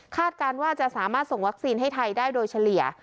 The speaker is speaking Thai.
การว่าจะสามารถส่งวัคซีนให้ไทยได้โดยเฉลี่ย